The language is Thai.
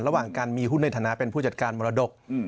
ระหว่างการมีหุ้นในฐานะเป็นผู้จัดการมรดก